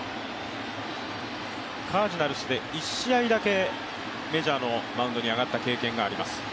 カージナルスで１試合だけメジャーのマウンドに上がった経験があります。